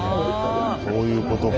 そういうことか。